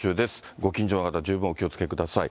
ご近所の方、十分お気をつけください。